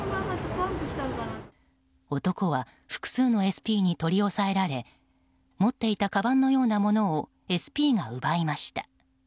男は複数のＳＰに取り押さえられ持っていたかばんのようなものをＳＰが奪いました。